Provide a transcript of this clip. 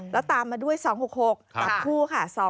แล้วตามมาด้วย๒๖๖จับคู่ค่ะ